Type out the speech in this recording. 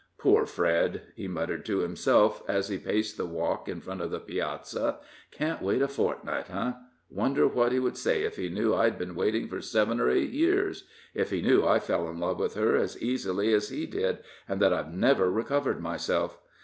"Poor Fred!" he muttered to himself, as he paced the walk in front of the piazza; "can't wait a fortnight, eh? Wonder what he would say if he knew I'd been waiting for seven or eight years if he knew I fell in love with her as easily as he did, and that I've never recovered myself?